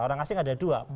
orang asing ada dua